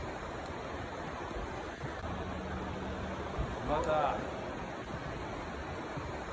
・沼田。